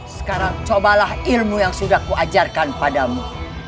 sekarang cobalah ilmu yang sudah kuajarkan padamu